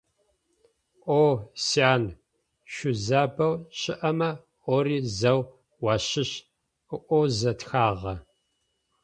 «О, сян, шъузабэу щыӏэмэ ори зэу уащыщ…», - ыӏозэ тхагъэ.